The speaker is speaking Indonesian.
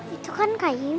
itu kan kak yima